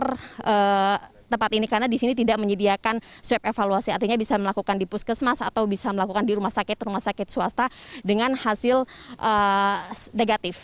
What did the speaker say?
dokter tempat ini karena di sini tidak menyediakan swab evaluasi artinya bisa melakukan di puskesmas atau bisa melakukan di rumah sakit rumah sakit swasta dengan hasil negatif